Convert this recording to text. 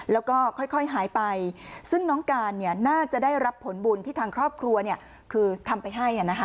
แล้วก็ค่อยหายไปซึ่งน้องการน่าจะได้รับผลบุญที่ทางครอบครัวคือทำไปให้